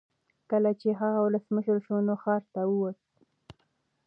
کله چې هغه ولسمشر شو نو ښار ته وووت.